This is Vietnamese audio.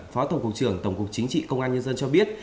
phó tổng cục trưởng tổng cục chính trị công an nhân dân cho biết